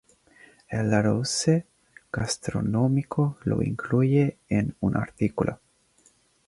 El Larousse Gastronómico lo incluye en un artículo.